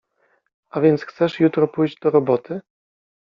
— A więc chcesz jutro pójść do roboty?